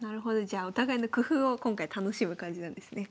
じゃあお互いの工夫を今回楽しむ感じなんですね。